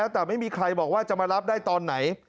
แต่ไม่มีใครบอกว่าจะมารับได้ตอนไหน